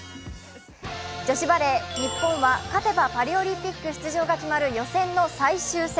女子バレー、日本は勝てばパリオリンピック出場が決まる予選の最終戦。